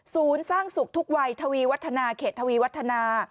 สร้างสุขทุกวัยทวีวัฒนาเขตทวีวัฒนา